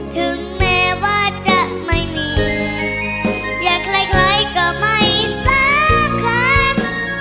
ถึงแม้ว่าจะไม่มีอยากใครก็ไม่สักครั้ง